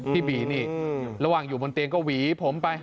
พี่บีนี่ระหว่างอยู่บนเตียงก็หวีผมไป